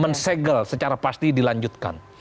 men segel secara pasti dilanjutkan